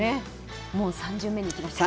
もう３巡目にいきましたか。